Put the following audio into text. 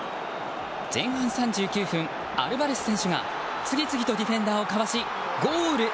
前半３９分、アルヴァレス選手が次々とディフェンダーをかわしゴール！